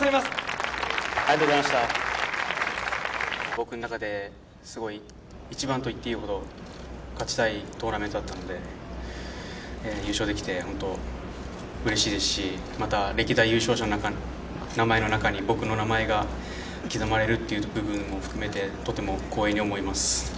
僕の中ですごい一番といっていいほど、勝ちたいトーナメントだったので、優勝できて本当うれしいですし、また歴代優勝者の名前の中に僕の名前が刻まれるという部分を含めて、とても光栄に思います。